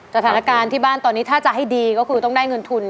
สถานการณ์ที่บ้านตอนนี้ถ้าจะให้ดีก็คือต้องได้เงินทุน